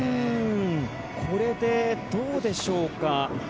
これでどうでしょうか。